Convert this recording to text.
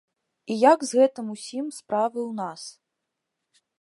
І як з гэтым усім справы ў нас.